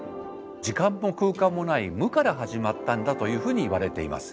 時間も空間もない無から始まったんだというふうにいわれています。